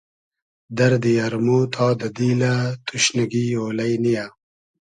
دئردی ارمۉ تا دۂ دیلۂ توشنیگی اۉلݷ نییۂ